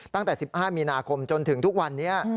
ตั้งแต่๑๕มีนาคมจนถึงทุกวันนี้